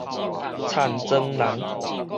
田庄人